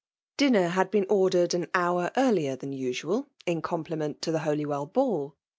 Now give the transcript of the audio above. Dinner had been ordered an hour earlier than usual, in compli ment to the Holywell ball.